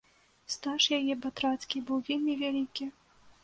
Стаж яе батрацкі быў вельмі вялікі.